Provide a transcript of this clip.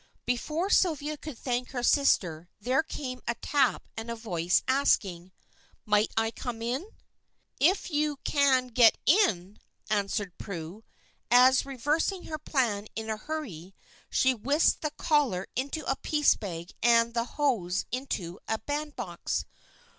Before Sylvia could thank her sister there came a tap and a voice asking "Might I come in?" "If you can get in," answered Prue, as, reversing her plan in her hurry, she whisked the collar into a piecebag and the hose into a bandbox.